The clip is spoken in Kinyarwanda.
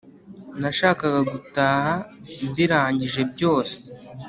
Nashakaga gutaha mbirangije byose